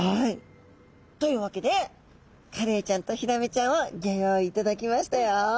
というわけでカレイちゃんとヒラメちゃんをギョ用意いただきましたよ。